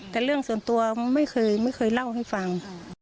แต่เรื่องส่วนตัวไม่เคยเล่าให้ฟัง